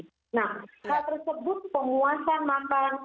nah hal tersebut pemuasan makan